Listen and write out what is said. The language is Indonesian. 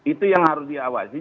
itu yang harus diawasi